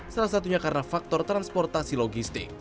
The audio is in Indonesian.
salah satunya karena faktor transportasi logistik